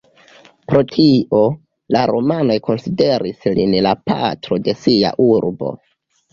Pro tio, la romanoj konsideris lin la patro de sia urbo.